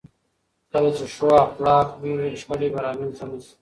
کله چې ښو اخلاق وي، شخړې به رامنځته نه شي.